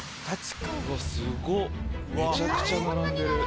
めちゃくちゃ並んでる。